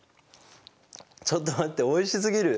ちょっと待っておいしすぎる。